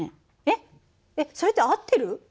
えっそれって合ってる？